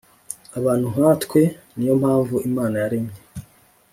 abantu nkatwe. ni yo mpamvu imana yaremye